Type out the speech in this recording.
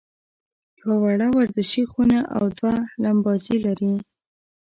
یوه وړه ورزشي خونه او دوه لمباځي لري.